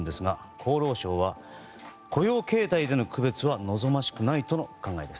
厚労省は雇用形態での区別は望ましくないとの考えです。